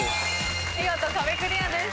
見事壁クリアです。